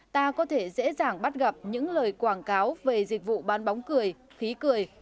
ta có thể dễ dàng bắt gặp những lời quảng cáo về dịch vụ bán bóng cười khí cười